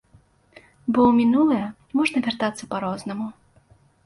Бо ў мінулае можна вяртацца па-рознаму.